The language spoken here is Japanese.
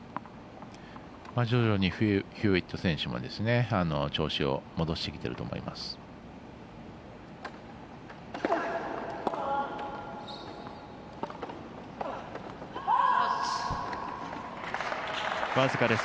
徐々にヒューウェット選手も調子を戻してきてると思います。